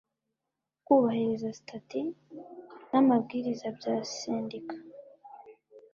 kubahiriza sitati n’ amabwiriza bya sendika